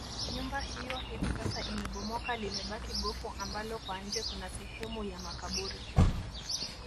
Nyumba hiyo hivi sasa imebomoka limebaki gofu ambalo kwa nje kuna sehemu ya makaburi